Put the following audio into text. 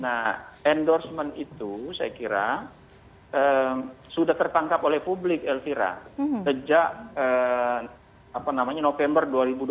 nah endorsement itu saya kira sudah tertangkap oleh publik elvira sejak november dua ribu dua puluh